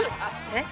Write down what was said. えっ？